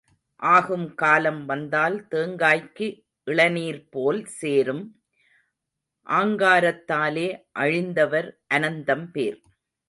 ஆகும் காலம் வந்தால் தேங்காய்க்கு இளநீர் போல் சேரும், ஆங்காரத்தாலே அழிந்தவர் அனந்தம் பேர்.